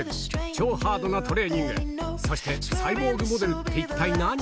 超ハードなトレーニングそしてサイボーグモデルって一体何？